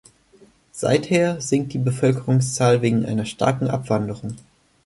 Seither sinkt die Bevölkerungszahl wegen einer starke Abwanderung.